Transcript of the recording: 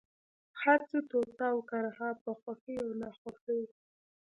هرڅه، طوعا اوكرها ، په خوښۍ او ناخوښۍ،